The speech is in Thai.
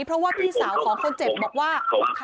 เพราะว่าพี่สาวของคนเจ็บบอกว่า